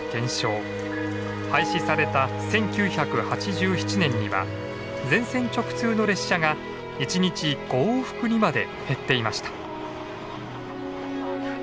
廃止された１９８７年には全線直通の列車が１日５往復にまで減っていました。